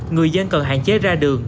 người dân cần hạn chế ra đường